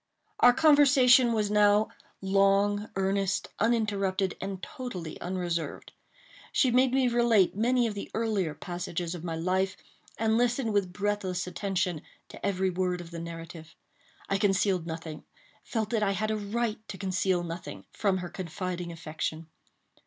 Our conversation was now long, earnest, uninterrupted, and totally unreserved. She made me relate many of the earlier passages of my life, and listened with breathless attention to every word of the narrative. I concealed nothing—felt that I had a right to conceal nothing—from her confiding affection.